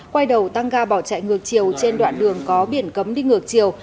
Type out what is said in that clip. quay đầu tăng ga bỏ chạy ngược chiều trên đoạn đường có biển cấm đi ngược chiều